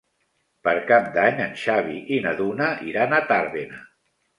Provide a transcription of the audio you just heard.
Per Cap d'Any en Xavi i na Duna iran a Tàrbena.